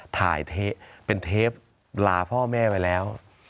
ถ่ายเทปเป็นเทปลาพ่อแม่ไปแล้ว